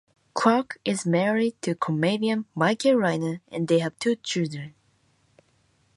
Quirk is married to comedian Michael Rayner and they have two children.